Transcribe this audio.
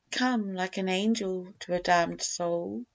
Come like an angel to a damned soul?